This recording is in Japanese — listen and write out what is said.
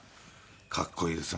かっこいいですね。